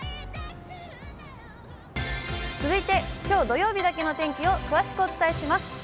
続いてきょう土曜日だけのお天気を詳しくお伝えします。